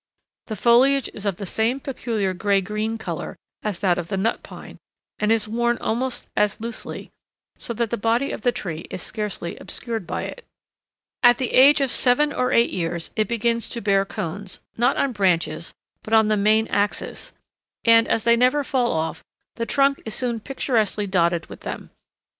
The foliage is of the same peculiar gray green color as that of the Nut Pine, and is worn about as loosely, so that the body of the tree is scarcely obscured by it. [Illustration: THE GROVE FORM. THE ISOLATED FORM (PINUS TUBERCULATA).] At the age of seven or eight years it begins to bear cones, not on branches, but on the main axis, and, as they never fall off, the trunk is soon picturesquely dotted with them.